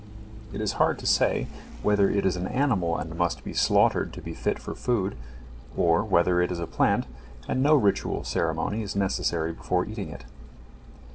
It is hard to say whether it is an animal and must be slaughtered to be fit for food, or whether it is a plant and no ritual ceremony is necessary before eating it.